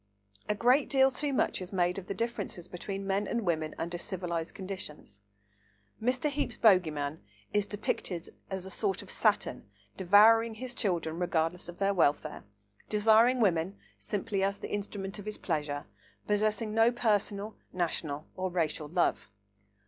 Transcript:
A great deal too much is made of the differences between men and women under civilised conditions. Mr. Heape's bogey man is depicted as a sort of Saturn devouring his children, regardless of their welfare, desiring woman simply as the instrument of his pleasure, possessing no personal, national or racial love.